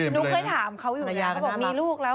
นุ๊คเคยถามเขาอยู่แล้ว